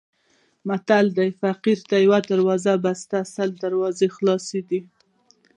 متل دی: فقیر ته یوه دروازه بنده سل ورته خلاصې وي.